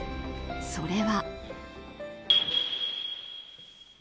それは。